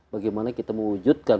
bagaimana kita mewujudkan